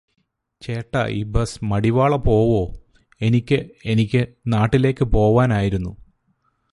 ചേട്ടാ ഈ ബസ് മടിവാള പോവോ? എനിക്ക് എനിക്ക് നാട്ടിലേക്ക് പോവാൻ ആയിരുന്നു.